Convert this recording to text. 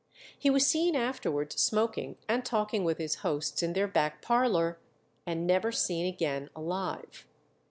He was seen afterwards smoking and talking with his hosts in their back parlour, and never seen again alive.